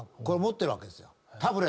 これ持ってるわけですよ。